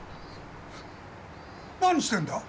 何してんだ？